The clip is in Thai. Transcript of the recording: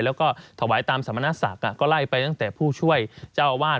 แล้วก็ถวายตามสมณศักดิ์ก็ไล่ไปตั้งแต่ผู้ช่วยเจ้าอาวาส